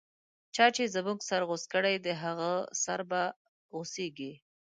چا چی زموږه سر غوڅ کړی، د هغه سر به غو څیږی